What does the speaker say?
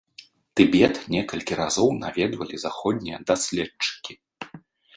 Тыбет некалькі разоў наведвалі заходнія даследчыкі.